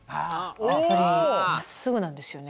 やっぱり真っすぐなんですよね